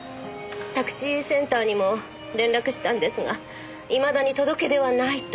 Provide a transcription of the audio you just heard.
タクシーセンターにも連絡したんですがいまだに届け出はないと。